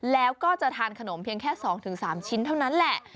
แล้วก็จะทานขนมเพียงแค่๒๓ชิ้นเท่านั้นแหละ